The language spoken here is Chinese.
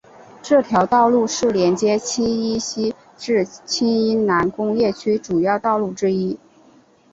这条道路是连接青衣西至青衣南工业区主要道路之一。